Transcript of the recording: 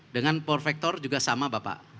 dengan power vector juga sama bapak